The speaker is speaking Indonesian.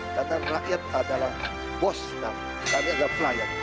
kata rakyat adalah bos tapi adalah pelayan